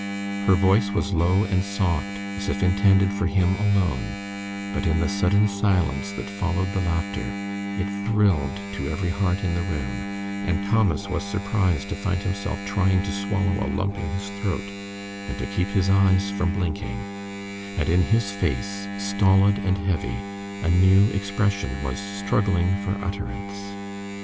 Her voice was low and soft, as if intended for him alone, but in the sudden silence that followed the laughter it thrilled to every heart in the room, and Thomas was surprised to find himself trying to swallow a lump in his throat, and to keep his eyes from blinking; and in his face, stolid and heavy, a new expression was struggling for utterance.